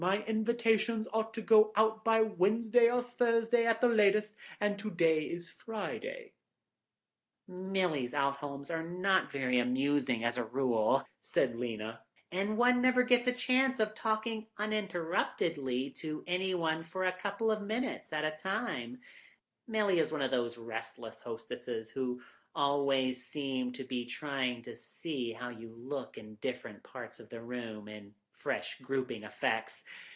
My invitations ought to go out by Wednesday or Thursday at the latest, and to day is Friday. "Milly's at homes are not very amusing, as a rule," said Lena, "and one never gets a chance of talking uninterruptedly to any one for a couple of minutes at a time; Milly is one of those restless hostesses who always seem to be trying to see how you look in different parts of the room, in fresh grouping effects.